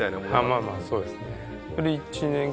まあまあそうですね